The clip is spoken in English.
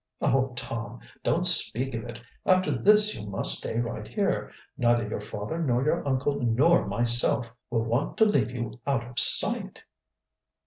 "Oh, Tom, don't speak of it! After this you must stay right here. Neither your father nor your uncle nor myself will want to leave you out of sight."